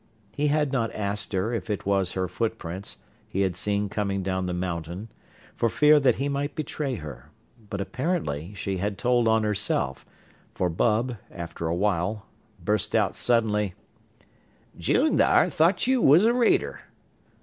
He had not asked her if it was her footprints he had seen coming down the mountain for fear that he might betray her, but apparently she had told on herself, for Bub, after a while, burst out suddenly: "June, thar, thought you was a raider."